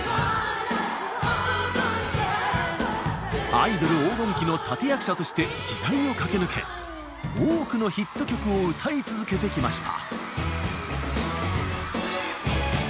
アイドル黄金期の立て役者として時代を駆け抜け多くのヒット曲を歌い続けてきました。